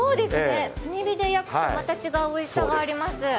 炭火で焼くとまた違うおいしさがあります。